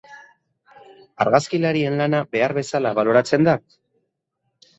Argazkilarien lana behar bezala baloratzen da?